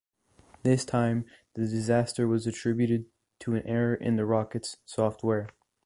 This time the desaster was attributed to an error in the rocket's software.